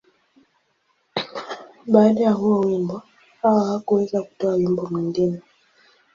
Baada ya huo wimbo, Hawa hakuweza kutoa wimbo mwingine.